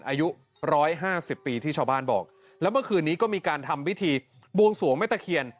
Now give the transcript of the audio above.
อายุร้อยห้าสิบปีที่ชาวบ้านบอกแล้วเมื่อคืนนี้ก็มีการทำพิธีบวงสวงแม่ตะเคียน